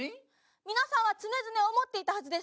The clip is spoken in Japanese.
皆さんは常々思っていたはずです。